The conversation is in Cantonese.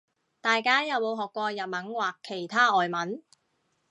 大家有冇學過日文或其他外文